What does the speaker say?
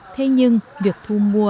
thế nhưng việc thu mua không được